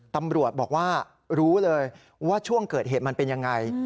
ตำรวจบอกว่ารู้เลยว่าช่วงเกิดเหตุมันเป็นยังไง